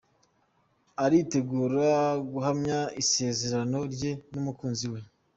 Aritegura guhamya isezerano rye n'umukunzi we.